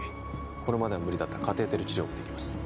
これまでは無理だったカテーテル治療もできます